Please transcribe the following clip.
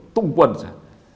tung quân ra